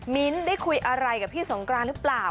ได้คุยอะไรกับพี่สงกรานหรือเปล่า